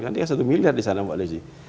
kan dia satu miliar di sana mbak desi